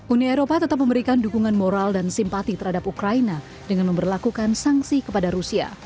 uni eropa tetap memberikan dukungan moral dan simpati terhadap ukraina dengan memperlakukan sanksi kepada rusia